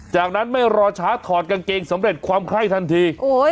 จากนั้นไม่รอช้าถอดกางเกงสำเร็จความไข้ทันที